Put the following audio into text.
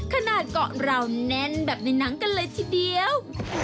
ขนาดก็ราวแน่นแบบในนังกันเลยทีเดียว